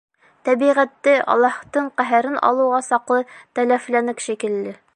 Тәбиғәтте Аллаһтың ҡәһәрен алыуға саҡлы тәләфләнек шикелле.